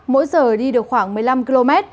mỗi giờ đi được khoảng một mươi năm km